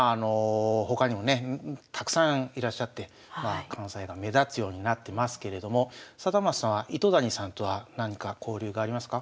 他にもねたくさんいらっしゃって関西が目立つようになってますけれども貞升さんは糸谷さんとは何か交流がありますか？